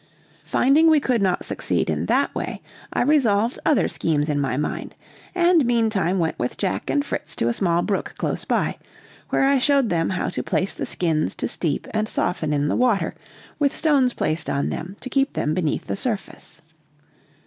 Finding we could not succeed in that way, I resolved other schemes in my mind, and meantime went with Jack and Fritz to a small brook close by, where I showed them how to place the skins to steep and soften in the water, with stones placed on them to keep them beneath the surface.